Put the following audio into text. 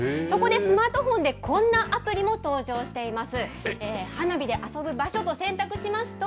そこでスマートフォンで、こんなアプリも登場しています。